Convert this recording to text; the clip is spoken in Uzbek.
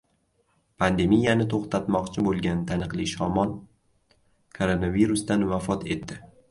Pandemiyani to‘xtatmoqchi bo‘lgan taniqli shomon koronavirusdan vafot etdi